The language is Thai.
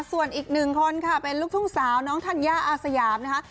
ส่วนอีกหนึ่งคนค่ะเป็นลูกทุ่งสาวน้องธัญญาอาสยามนะคะ